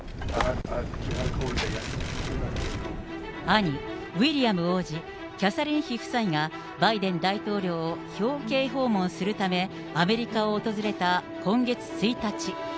兄、ウィリアム王子、キャサリン妃夫妻が、バイデン大統領を表敬訪問するため、アメリカを訪れた今月１日。